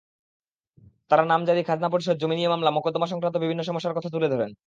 তাঁরা নামজারি, খাজনা পরিশোধ, জমি নিয়ে মামলা-মোকদ্দমাসংক্রান্ত বিভিন্ন সমস্যার কথা তুলে ধরেন।